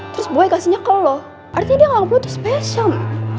terus boy kasihnya ke lo artinya dia gak perlu tuh spesial